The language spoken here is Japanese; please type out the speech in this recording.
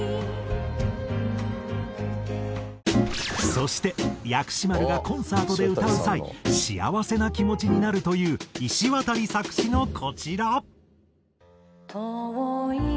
そして薬師丸がコンサートで歌う際幸せな気持ちになるといういしわたり作詞のこちら。